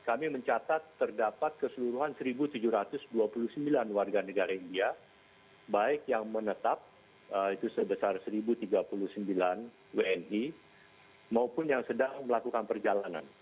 kami mencatat terdapat keseluruhan satu tujuh ratus dua puluh sembilan warga negara india baik yang menetap itu sebesar satu tiga puluh sembilan wni maupun yang sedang melakukan perjalanan